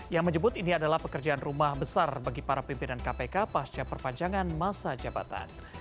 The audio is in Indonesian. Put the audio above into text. yang menyebut ini adalah pekerjaan rumah besar bagi para pimpinan kpk pasca perpanjangan masa jabatan